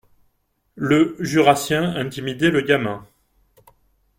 Le Jurassien intimidait le gamin